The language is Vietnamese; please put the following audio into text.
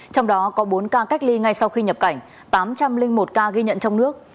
trong đó có bốn ca cách ly ngay sau khi nhập cảnh tám trăm linh một ca ghi nhận trong nước